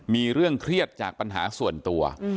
มีเรื่องเครียดจากปัญหาส่วนตัว